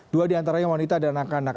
dua di antara yang wanita dan anak anak